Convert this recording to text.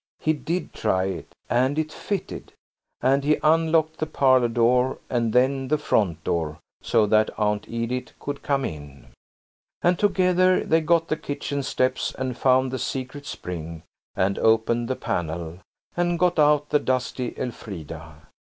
He did try it. And it fitted. And he unlocked the parlour door and then the front door, so that Aunt Edith could come in. And together they got the kitchen steps and found the secret spring and opened the panel, and got out the dusty Elfrida.